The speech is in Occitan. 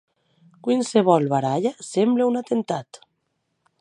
Quinsevolh barralha semble un atemptat.